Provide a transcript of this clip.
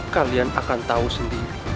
kalian akan tahu sendiri